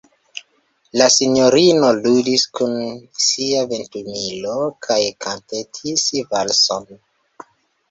La sinjorino ludis kun sia ventumilo kaj kantetis valson.